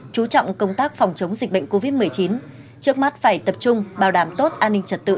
chú trọng công tác phòng chống dịch bệnh covid một mươi chín trước mắt phải tập trung bảo đảm tốt an ninh trật tự